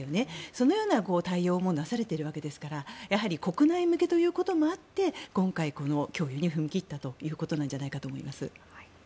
そのような対応もなされているわけですから国内向けということもあって今回、供与に踏み切ったということなんじゃないかと思います。